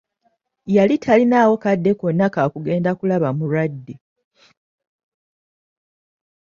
Yali talinaawo kadde konna ka kugenda kulaba mulwadde.